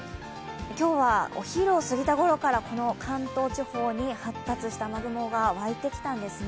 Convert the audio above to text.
今日はお昼を過ぎたごろから関東地方に発達した雨雲が沸いてきたんですね。